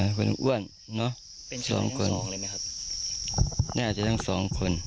อ่าคนหนึ่งอ้วนเนอะเป็นชายทั้งสองเลยไหมครับนี่อาจจะทั้งสองคน